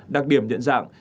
đặc điểm nhận dạng